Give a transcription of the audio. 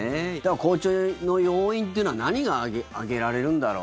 好調の要因というのは何が挙げられるんだろう？